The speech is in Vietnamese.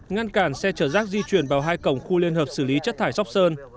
ngăn cản xe chở rác di chuyển vào hai cổng khu liên hợp xử lý chất thải sóc sơn